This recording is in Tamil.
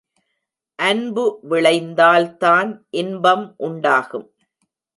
அன்பு விளைந்தால்தான் இன்பம் உண்டாகும்.